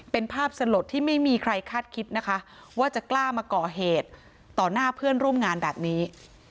เป็นภาพสลดที่ไม่มีใครคาดคิดนะคะว่าจะกล้ามาก่อเหตุต่อหน้าเพื่อนร่วมงานแบบนี้